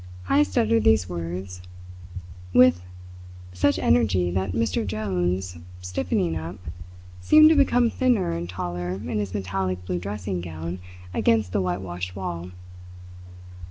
Heyst uttered these words with such energy that Mr. Jones, stiffening up, seemed to become thinner and taller in his metallic blue dressing gown against the whitewashed wall.